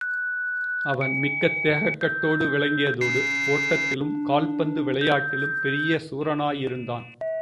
அவன் மிக்க தேகக்கட்டோடு விளங்கியதோடு, ஓட்டத்திலும், கால்பந்து விளையாட்டிலும் பெரிய சூரனாயிருந்தான்.